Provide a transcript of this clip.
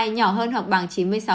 nhỏ hơn hoặc bằng chín mươi sáu